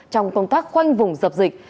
trong công tác khoanh vùng dập dịch